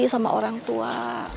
sama orang tua